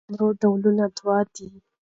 د قلمرو ډولونه دوه دي.